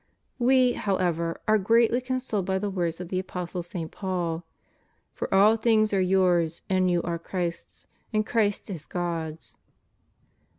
We, however, are greatly consoled by the words of the Apostle St. Paul: For all things are yours; and you are Christ's, and Christ is God's.